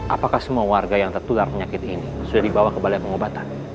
apakah semua warga yang tertular penyakit ini sudah dibawa ke balai pengobatan